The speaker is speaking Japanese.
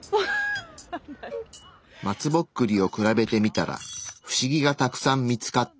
松ぼっくりを比べてみたらフシギがたくさん見つかった。